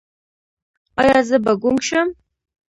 ایا زه به ګونګ شم؟